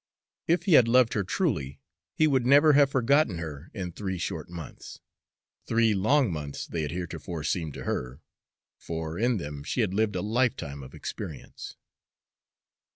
If he had loved her truly, he would never have forgotten her in three short months, three long months they had heretofore seemed to her, for in them she had lived a lifetime of experience.